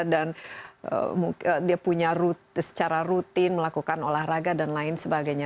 dan dia punya secara rutin melakukan olahraga dan lain sebagainya